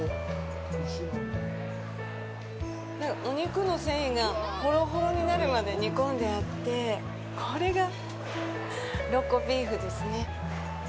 なんか、お肉の繊維がホロホロになるまで煮込んであって、これがロコビーフですね。